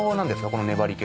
この粘り気。